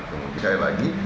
kemudian sekali lagi